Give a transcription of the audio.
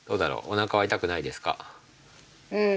おなかは痛くないですか？